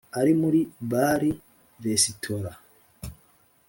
ari muri bari -resitora.